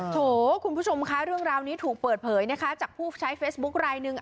โถคุณผู้ชมคะเรื่องราวนี้ถูกเปิดเผยนะคะจากผู้ใช้เฟซบุ๊คลายหนึ่ง